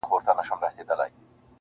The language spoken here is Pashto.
تسلیت لره مي راسی لږ یې غم را سره یوسی,